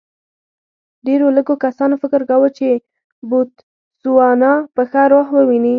ډېرو لږو کسانو فکر کاوه چې بوتسوانا به ښه ورځ وویني.